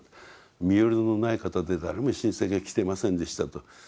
身寄りのない方で誰も親戚が来ていませんでした」と。